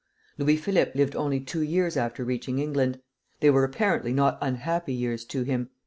Louis Philippe lived only two years after reaching England. They were apparently not unhappy years to him.